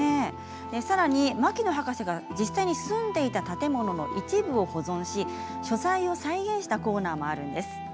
さらに、牧野博士が実際に住んでいた建物の一部を保存し書斎を再現したコーナーもあるんです。